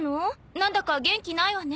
なんだか元気ないわね。